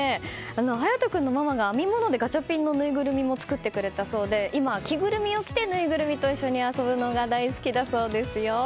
勇人君のママが編み物でガチャピンのぬいぐるみも作ってくれたそうで今、着ぐるみを着てぬいぐるみと遊ぶのが大好きだそうですよ。